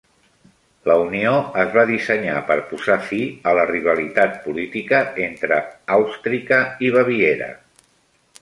La unió es va dissenyar per posar fi a la rivalitat política entre Àustrica i Baviera.